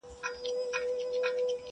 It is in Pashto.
سر افسر د علم پوهي پر میدان وو -